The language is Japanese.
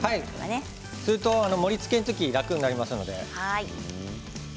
そうすると、盛りつけの時楽になりますので。